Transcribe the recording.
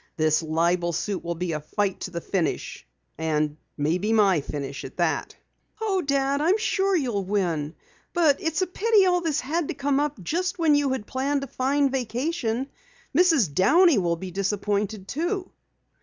"This libel suit will be a fight to the finish. And maybe my finish at that!" "Oh, Dad, I'm sure you'll win. But it's a pity all this had to come up just when you had planned a fine vacation. Mrs. Downey will be disappointed, too."